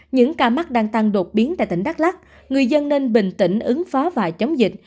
những ca mắc đang tăng đột biến tại tỉnh đắk lắc người dân nên bình tĩnh ứng phó và chống dịch